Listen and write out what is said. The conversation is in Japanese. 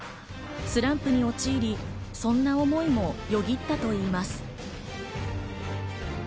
スランプに陥り、そんな思いもよぎったといいます。